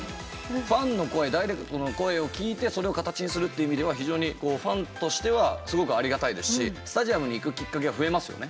ファンの声ダイレクトの声を聞いてそれを形にするって意味では非常にファンとしてはすごくありがたいですしスタジアムに行くきっかけが増えますよね。